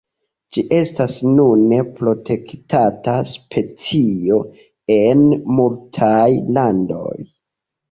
Ĝi estas nune protektata specio en multaj landoj.